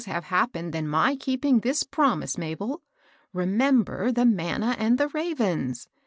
have happened than my keeping this promise, Ma bel. Remember the manna and the ravens